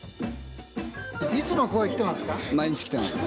いつもここへ来てますか？